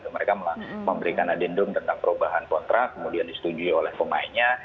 mereka memberikan adendum tentang perubahan kontrak kemudian disetujui oleh pemainnya